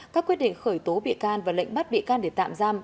các quyết định khởi tố bị can và lệnh bắt bị can để tạm giam